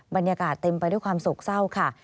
บรรยากาศเต็มไปด้วยความโศกเศร้าค่ะ